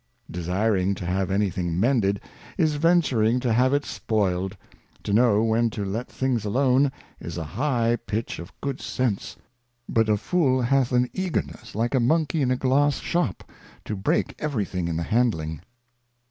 Desiring to have any thing mended, is venturing to have it spoiled : To know when to let Things alone, is a high pitch of good Miscellaneous Thoughts and Reflections. 245 good Sense. But a Fool hath an Eagerness, like a Monkey in a Glass Shop, to break every thing in the handling.